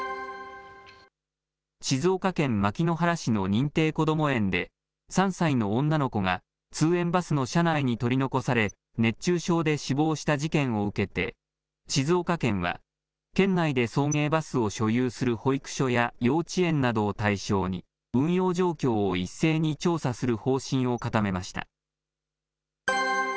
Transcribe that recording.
静岡県牧之原市の認定こども園で、３歳の女の子が通園バスの車内に取り残され、熱中症で死亡した事件を受けて、静岡県は、県内で送迎バスを所有する保育所や幼稚園などを対象に、運用状況を一斉に調査する方針を固めました。